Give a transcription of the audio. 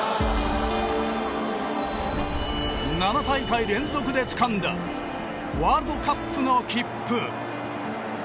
７大会連続でつかんだワールドカップの切符。